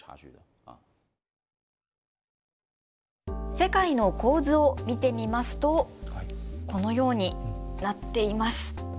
世界の構図を見てみますとこのようになっています。